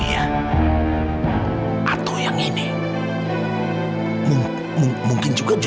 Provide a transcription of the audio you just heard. ya ya allah ada apa ini kok aku deg degan lagi